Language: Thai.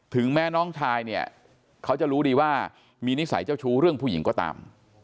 แม้น้องชายเนี่ยเขาจะรู้ดีว่ามีนิสัยเจ้าชู้เรื่องผู้หญิงก็ตาม